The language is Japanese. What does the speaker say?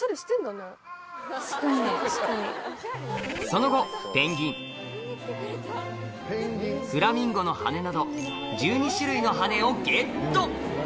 その後フラミンゴの羽など１２種類の羽をゲット！